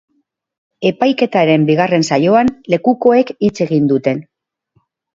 Epaiketaren bigarren saioan lekukoek hitz egin dute.